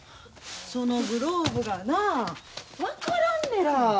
そのグローブがなあ分からんねら。